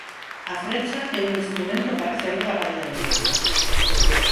A frecha é un instrumento para saír da pandemia.